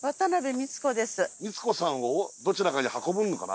ミツ子さんをどちらかに運ぶのかな？